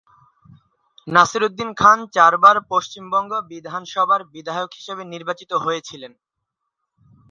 নাসিরুদ্দিন খান চারবার পশ্চিমবঙ্গ বিধানসভার বিধায়ক হিসেবে নির্বাচিত হয়েছিলেন।